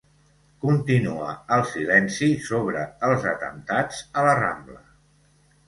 Continua el silenci sobre els atemptats a la Rambla